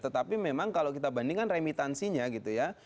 tetapi memang kalau kita bandingkan remitansinya gitu ya